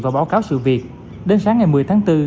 và báo cáo sự việc đến sáng ngày một mươi tháng bốn